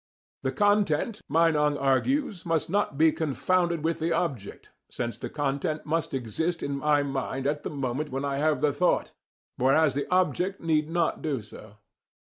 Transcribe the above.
The content, Meinong argues, must not be confounded with the object, since the content must exist in my mind at the moment when I have the thought, whereas the object need not do so.